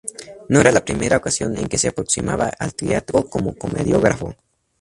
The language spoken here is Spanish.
No era la primera ocasión en que se aproximaba al teatro como comediógrafo.